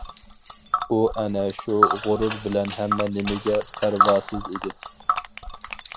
ئۇ ئەنە شۇ غۇرۇر بىلەن ھەممە نېمىگە پەرۋاسىز ئىدى.